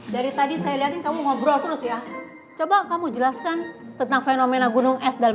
dari tadi saya lihatin kamu ngobrol terus ya coba kamu jelaskan tentang fenomena gunung es dalam